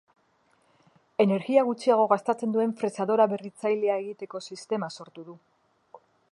Energia gutxiago gastatzen duen fresadora berritzailea egiteko sistema sortu du.